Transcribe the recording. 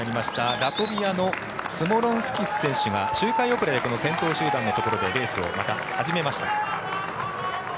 ラトビアのスモロンスキス選手が周回遅れでこの先頭集団のところでレースをまた始めました。